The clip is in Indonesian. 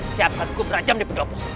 siapkan ku berajam di pendopo